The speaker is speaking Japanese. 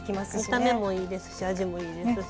見た目もいいですし味もいいですし。